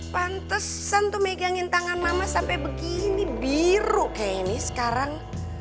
pantesan tuh megangin tangan mama sampai begini biru kayaknya ini sekarang